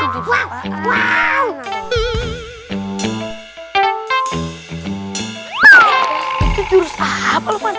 itu jurus apa lukman